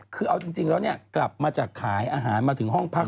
คือกลับมาจากขายอาหารมาถึงห้องพัก